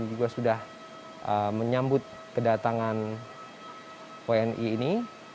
juga sudah menyambut kedatangan wni ini